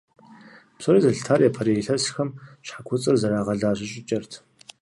Псори зэлъытар япэрей илъэсхэм щхьэ куцӀыр зэрагъэлажьэ щӀыкӀэрщ.